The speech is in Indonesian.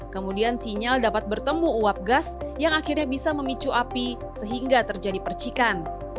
kemudian sinyal dapat bertemu uap gas yang akhirnya bisa memicu api sehingga terjadi percikan